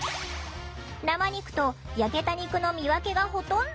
生肉と焼けた肉の見分けがほとんどつかない。